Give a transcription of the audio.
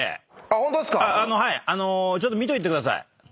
⁉ちょっと見といてください。